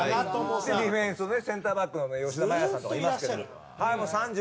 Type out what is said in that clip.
でディフェンスねセンターバックの吉田麻也さんとかいますけども。